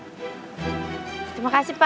terima kasih pak